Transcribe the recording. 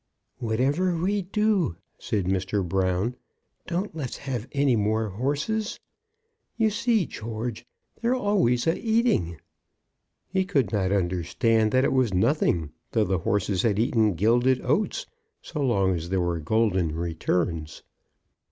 "Whatever we do," said Mr. Brown, "don't let's have any more horses. You see, George, they're always a eating!" He could not understand that it was nothing, though the horses had eaten gilded oats, so long as there were golden returns.